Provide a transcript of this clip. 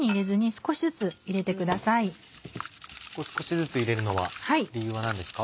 少しずつ入れるのは理由は何ですか？